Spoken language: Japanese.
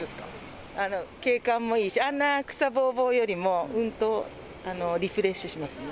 景観もいいし、あんな草ぼーぼーよりもうんとリフレッシュしますね。